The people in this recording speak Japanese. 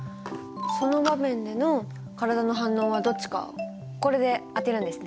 その場面での体の反応はどっちかこれで当てるんですね。